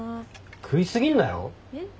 食い過ぎんなよ。えっ？